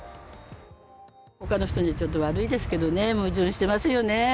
他の人にちょっと悪いですけどね、矛盾してますよね。